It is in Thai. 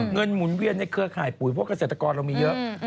หมุนเวียนในเครือข่ายปุ๋ยเพราะเกษตรกรเรามีเยอะ